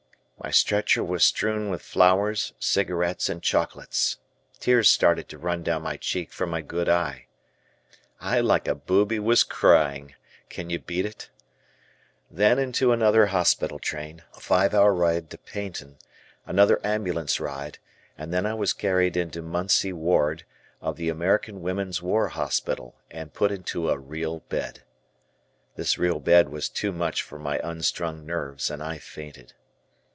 My stretcher was strewn with flowers, cigarettes, and chocolates. Tears started to run down my cheek from my good eye. I like a booby was crying, can you beat it? Then into another hospital train, a five hour ride to Paignton, another ambulance ride, and then I was carried into Munsey Ward of the American Women's War Hospital and put into a real bed. This real bed was too much for my unstrung nerves and I fainted.